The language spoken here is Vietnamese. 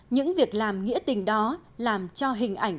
những việc làm nghĩa tình đó làm cho hình ảnh